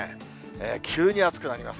急に暑くなります。